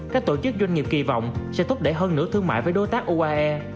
các tổ chức doanh nghiệp kỳ vọng sẽ thúc đẩy hơn nữa thương mại với đối tác uae